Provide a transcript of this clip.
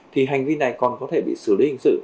thì hành vi này còn có thể bị xử lý hình sự